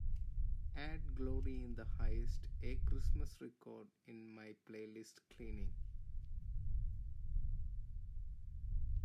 add Glory in the Highest A Christmas Record in my playlist cleaning